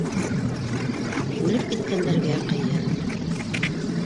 Үлеп киткәндәргә ҡыйын.